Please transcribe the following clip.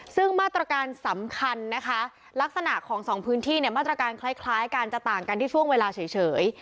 ซึ่งมาตรการสำคัญนะคะลักษณะของสองพื้นที่เนี่ยมาตรการคล้ายกันจะต่างกันที่ช่วงเวลาเฉย